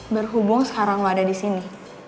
berhubung sekarang nggak ada di sini